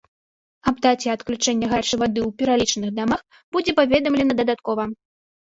Аб даце адключэння гарачай вады ў пералічаных дамах будзе паведамлена дадаткова.